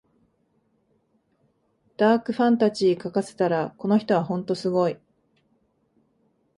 ダークファンタジー書かせたらこの人はほんとすごい